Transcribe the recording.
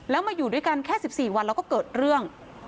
แล้วมาอยู่ด้วยกันแค่๑๔วันแล้วก็เกิดเรื่อง